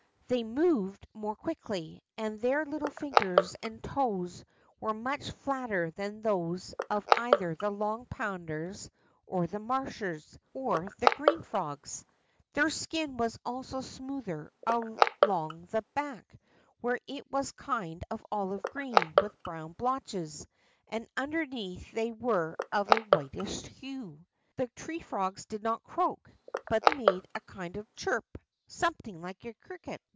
They moved more quickly, and their little fingers and toes were much flatter than those of either the Long Ponders, the Marshers, or the green frogs. Their skin was also smoother along the hack, where it was a kind of olive green with brown blotches, and under neath they were of a whitish hue. The tree frogs did not croak, hut made a kind of chirp, something like a cricket.